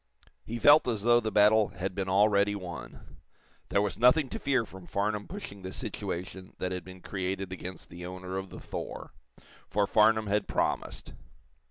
He felt as though the battle had been already won. There was nothing to fear from Farnum pushing the situation that had been created against the owner of the "Thor," for Farnum had promised.